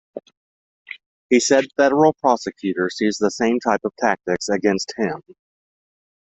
He said federal prosecutors used the same type of tactics against him.